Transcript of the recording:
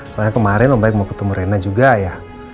soalnya kemarin om baik mau ketemu rena juga ya